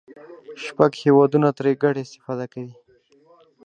شپږ هېوادونه ترې ګډه استفاده کوي.